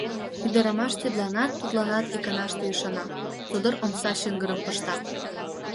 Ӱдырамаш тидланат-тудланат иканаште ӱшана, содор омса чыҥгырым пышта.